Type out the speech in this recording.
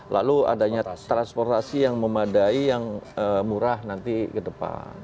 lalu adanya transportasi yang memadai yang murah nanti ke depan